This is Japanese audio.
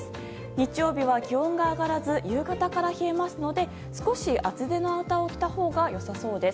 日曜日は気温が上がらず夕方から冷えますので少し厚手のアウターを着たほうが良さそうです。